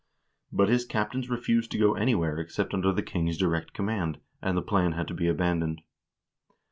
But his captains refused to go anywhere except under the king's direct command, and the plan had to be abandoned.